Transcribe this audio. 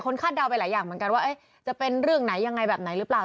คาดเดาไปหลายอย่างเหมือนกันว่าจะเป็นเรื่องไหนยังไงแบบไหนหรือเปล่า